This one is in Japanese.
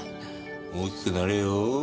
大きくなれよ。